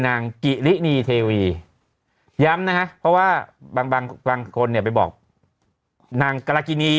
นางกิรินีเทวีย้ำนะฮะเพราะว่าบางบางคนเนี่ยไปบอกนางกรกินี